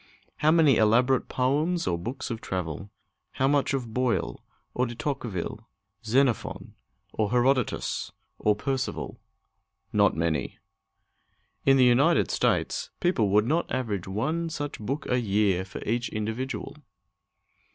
How many elaborate poems or books of travel? How much of Boyle, or De Tocqueville, Xenophon, or Herodotus, or Percival? Not many! In the United States, the people would not average one such book a year for each individual!